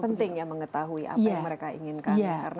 penting ya mengetahui apa yang mereka inginkan